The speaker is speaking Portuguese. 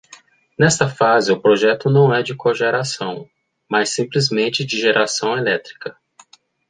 Nesta fase, o projeto não é de cogeração, mas simplesmente de geração elétrica.